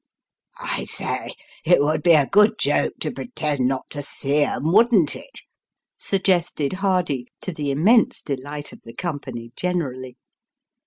" I say, it would be a good joke to pretend not to see 'em, wouldn't it ?" suggested Hardy, to the immense delight of the company generally.